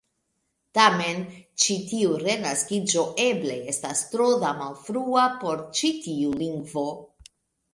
Tamen, ĉi tiu "renaskiĝo" eble estas tro da malfrua por ĉi tiu lingvo.